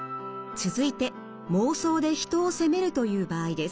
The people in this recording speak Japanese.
続いて妄想で人を責めるという場合です。